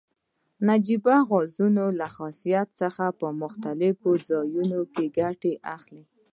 د نجیبه غازونو له خاصیت څخه په مختلفو ځایو کې ګټه اخلي.